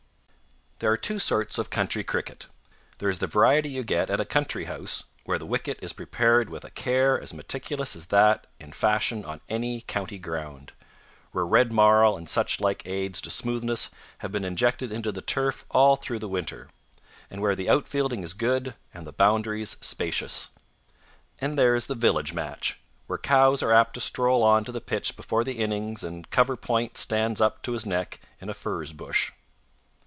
There are two sorts of country cricket. There is the variety you get at a country house, where the wicket is prepared with a care as meticulous as that in fashion on any county ground; where red marl and such like aids to smoothness have been injected into the turf all through the winter; and where the out fielding is good and the boundaries spacious. And there is the village match, where cows are apt to stroll on to the pitch before the innings and cover point stands up to his neck in a furze bush.